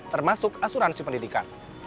termasuk asuransi pendidikan